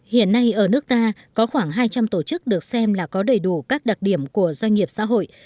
hiện nay ở nước ta có khoảng hai trăm linh tổ chức được xem là có đầy đủ các đặc điểm của doanh nghiệp xã hội